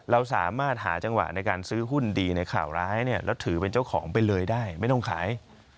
เราสามารถหาจังหวะในการซื้อหุ้นดีในข่าวร้ายเนี่ยแล้วถือเป็นเจ้าของไปเลยได้ไม่ต้องขาย